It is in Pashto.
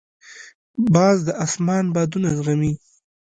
باز د اسمان بادونه زغمي